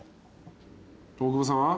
大久保さんは？